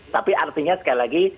tapi artinya sekali lagi